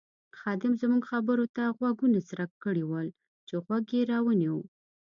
خادم زموږ خبرو ته غوږونه څرک کړي ول چې غوږ یې را ونیو.